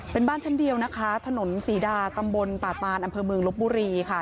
เป็นบ้านชั้นเดียวนะคะถนนศรีดาตำบลป่าตานอำเภอเมืองลบบุรีค่ะ